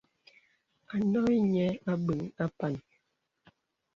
À noŋhī nīə àbéŋ àpān.